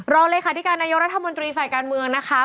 เลขาธิการนายกรัฐมนตรีฝ่ายการเมืองนะคะ